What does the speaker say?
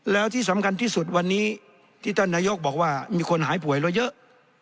แล้วที่สำคัญที่สุดวันนี้ที่ท่านนายกบอกว่ามีคนหายป่วยแล้วเยอะ